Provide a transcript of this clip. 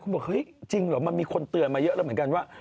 บอกเฮ้ยจริงเหรอมันมีคนเตือนมาเยอะแล้วเหมือนกันว่า